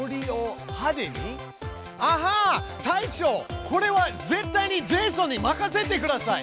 アハ隊長これは絶対にジェイソンに任せてください！